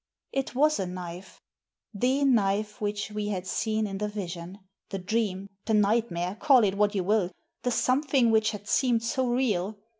" It was a knife — the knife which we had seen in the vision, the dream, the nightmare, call it what you will — the something which had seemed so real.